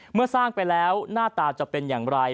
เมื่อสร้างไปแล้วหน้าตาจะเป็นอย่างไร